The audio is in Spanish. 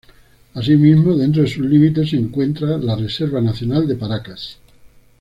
Asimismo, dentro de sus límites se encuentra la Reserva nacional de Paracas.